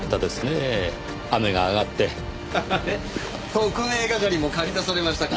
特命係もかり出されましたか。